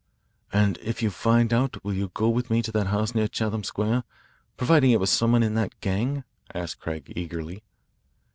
"And if you find out, will you go with me to that house near Chatham Square, providing it was some one in that gang?" asked Craig eagerly.